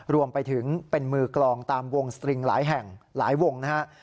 รวมไปถึงเป็นมือกลองตามวงสตริงหลายแห่งหลายวงนะครับ